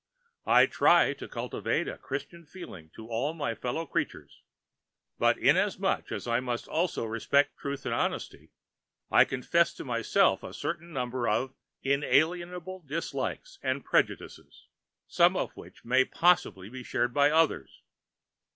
I try to cultivate a Christian feeling to all my fellow creatures, but inasmuch as I must also respect truth and honesty, I confess to myself a certain number of inalienable dislikes and prejudices, some of which may possibly be shared by others.